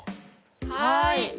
はい。